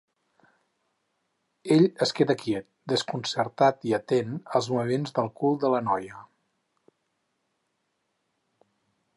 Ell es queda quiet, desconcertat i atent als moviments del cul de la noia.